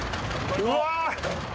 うわ。